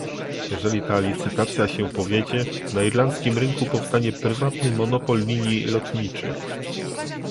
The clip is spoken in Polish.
Jeżeli ta licytacja się powiedzie, na irlandzkim rynku powstanie prywatny monopol linii lotniczych